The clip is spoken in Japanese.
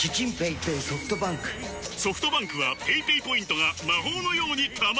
ソフトバンクはペイペイポイントが魔法のように貯まる！